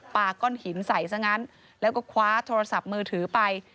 ก้อนหินใส่ซะงั้นแล้วก็คว้าโทรศัพท์มือถือไป